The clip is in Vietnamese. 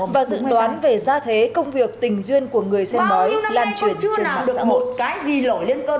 và dự đoán về gia thế công việc tình duyên của người xem bói lan truyền trên mạng xã hội